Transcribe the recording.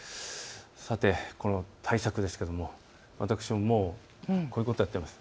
さて、この対策ですが私ももうこういうことをやっています。